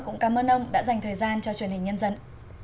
cũng cảm ơn ông đã dành thời gian cho truyền hình nhân dân